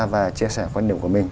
và chia sẻ quan điểm của mình